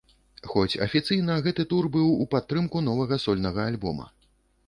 Хоць афіцыйна гэты тур быў у падтрымку новага сольнага альбома.